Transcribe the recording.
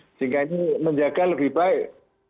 sehingga ini menjaga lebih baik